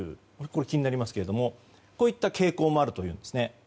これ気になりますがこういった傾向もあるというんですね。